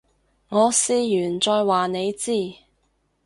我試完再話你知